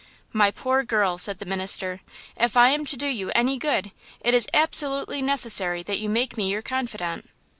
"My poor girl!" said the minister, "if I am to do you any good it is absolutely necessary that you make me your confidant."